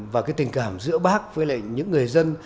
và cái tình cảm giữa bác với những người dân